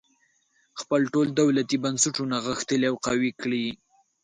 خپل ټول دولتي بنسټونه غښتلي او قوي کړي.